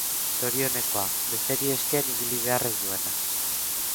Zorionekoa, besteri eskean ibili behar ez duena.